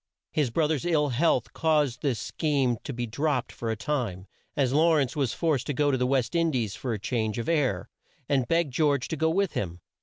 His broth er's ill health caused this scheme to be dropped for a time, as Law rence was forced to go to the West In dies for change of air, and begged George to go with him.